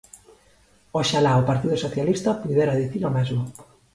Oxalá o Partido Socialista puidera dicir o mesmo.